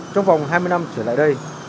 trong vòng hai mươi năm trở lại đây